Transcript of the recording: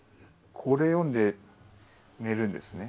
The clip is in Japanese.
これ読んで寝るんですね。